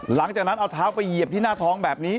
หลังจากนั้นเอาเท้าไปเหยียบที่หน้าท้องแบบนี้